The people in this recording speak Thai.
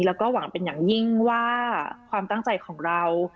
แล้วก็หวังเป็นอย่างยิ่งว่าความตั้งใจของเรา